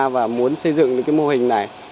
và muốn xây dựng cái mô hình này